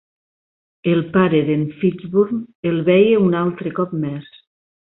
El para d'en Fishburne el veia un cop al mes.